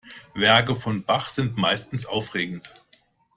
Werke von Bach sind meistens aufregend.